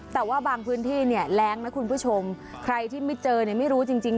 แต่ว่าบางพื้นที่เนี่ยแรงนะคุณผู้ชมใครที่ไม่เจอเนี่ยไม่รู้จริงจริง